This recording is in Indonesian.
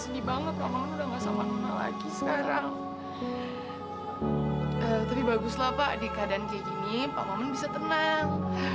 tapi baguslah pak di keadaan kayak gini pak maman bisa tenang